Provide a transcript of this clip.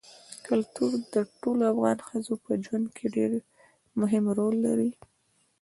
کلتور د ټولو افغان ښځو په ژوند کې یو ډېر مهم رول لري.